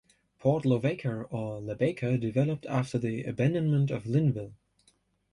Port Lavaca or Labaca, developed after the abandonment of Linnville.